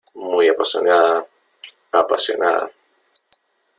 muy apasionada . apasionada .